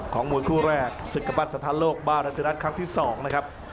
มวยคู่แรกศึกบัตรสถานโลกบ้านรัชนัทครั้งที่๒นะครับ